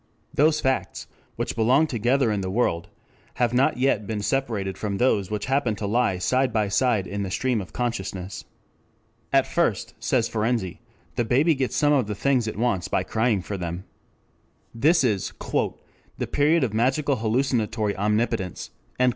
Those facts which belong together in the world have not yet been separated from those which happen to lie side by side in the stream of consciousness. At first, says Ferenczi, the baby gets some of the things it wants by crying for them. This is "the period of magical hallucinatory omnipotence."